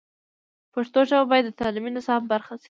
پښتو ژبه باید د تعلیمي نصاب برخه شي.